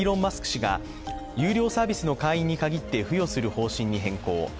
氏が有料サービスの会員に限って付与する方針に変更。